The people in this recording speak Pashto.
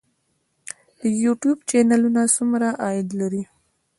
د یوټیوب چینلونه څومره عاید لري؟